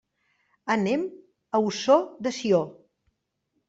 Anem a Ossó de Sió.